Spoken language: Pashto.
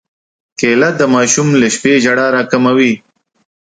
کېله د ماشوم له شپې ژړا راکموي.